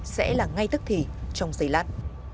sẽ là ngay tức thì trong giây lát